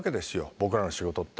僕らの仕事って。